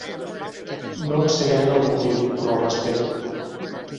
No en sé gaire el motiu, però el respecto.